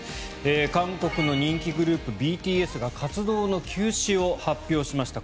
韓国の人気グループＢＴＳが活動の休止を発表しました。